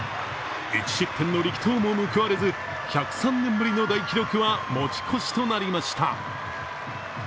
１失点の力投も報われず１０３年ぶりの大記録は持ち越しとなりました。